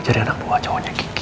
jadi anak buah cowoknya kiki